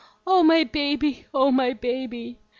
Oh, my baby! oh, my baby!"